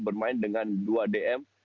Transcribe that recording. bermain dengan dua dm